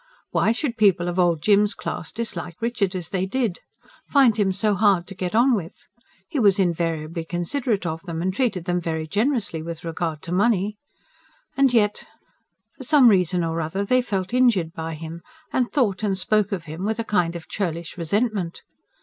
Why should people of Old Jim's class dislike Richard as they did? find him so hard to get on with? He was invariably considerate of them, and treated them very generously with regard to money. And yet ... for some reason or other they felt injured by him; and thought and spoke of him with a kind of churlish resentment.